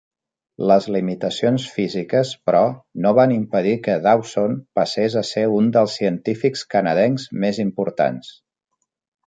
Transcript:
Les limitacions físiques, però, no van impedir que Dawson passés a ser un dels científics canadencs més importants.